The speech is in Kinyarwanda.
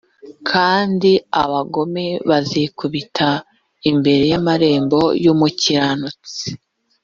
kandi abagome bazikubita imbere y amarembo y umukiranutsi